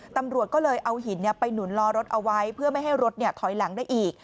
ตำรวจก็เลยเอาหินไปหนุนล้อรถเอาไว้เพื่อไม่ให้รถถอยหลังได้อีก